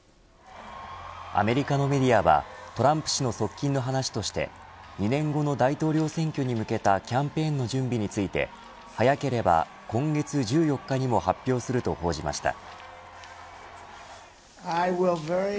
アメリカのメディアはトランプ氏の側近の話として２年後の大統領選挙に向けたキャンペーンの準備について早ければ今月１４日にも発表すると報じました。